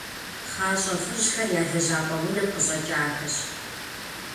ПхъащӀэ лӀыжьхэр я лэжьапӀэ унэм къыщӀэкӀахэщ.